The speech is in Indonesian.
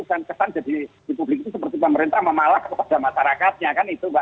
dan kesan jadi di publik itu seperti pemerintah memalak kepada masyarakatnya